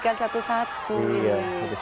yang tadi itu bukan dibawa